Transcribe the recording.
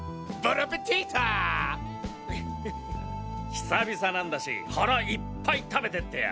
久々なんだし腹いっぱい食べてってよ！